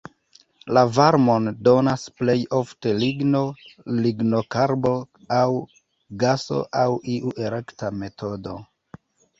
La varmon donas plej ofte ligno, lignokarbo aŭ gaso aŭ iu elektra metodo.